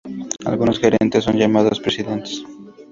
Algunos gerentes son llamados presidentes.